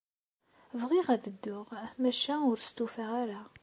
Bɣiɣ ad dduɣ, maca ur stufaɣ ara.